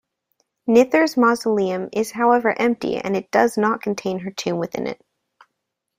Nithar's mausoleum is however empty and it does not contain her tomb within it.